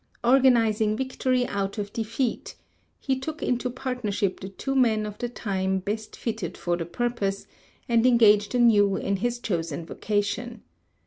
"Organizing victory out of defeat," he took into partnership the two men of the time best fitted for the purpose, and engaged anew in his chosen vocation.